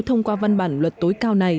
thông qua văn bản luật tối cao này